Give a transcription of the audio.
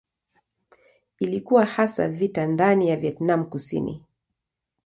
Ilikuwa hasa vita ndani ya Vietnam Kusini.